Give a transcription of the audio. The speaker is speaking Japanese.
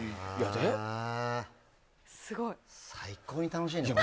最高に楽しいね。